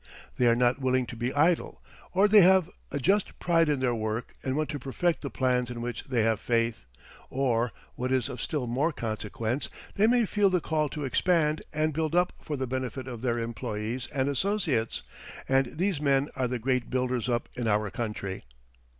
They are not willing to be idle, or they have a just pride in their work and want to perfect the plans in which they have faith, or, what is of still more consequence, they may feel the call to expand and build up for the benefit of their employees and associates, and these men are the great builders up in our country.